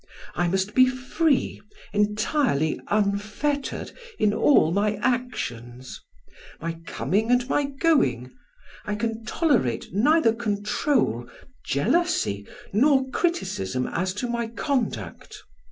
I must be free, entirely unfettered, in all my actions my coming and my going; I can tolerate neither control, jealousy, nor criticism as to my conduct.